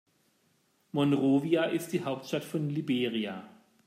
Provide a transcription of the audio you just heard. Monrovia ist die Hauptstadt von Liberia.